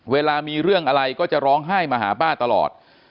เวลามีเรื่องอะไรก็จะร้องไห้มาหาป้าตลอด